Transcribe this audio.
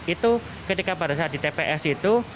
itu ketika pada saat di tps itu